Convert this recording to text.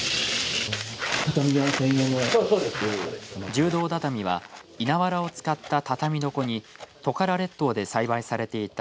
柔道畳は稲わらを使った畳床にトカラ列島で栽培されていた